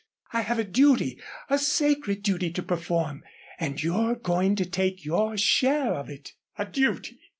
I have a duty, a sacred duty to perform and you're going to take your share of it." "A duty?"